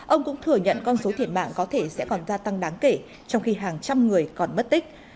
ông cũng thừa nhận con số thiệt mạng có thể sẽ còn gia tăng đáng kể trong khi hàng trăm người còn mất tích